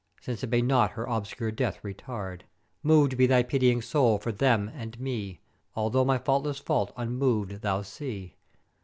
since it may not her òbscure death retard: Moved be thy pitying soul for them and me, although my faultless fault unmoved thou see!